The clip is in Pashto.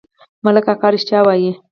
ملک اکا رښتيا وايي.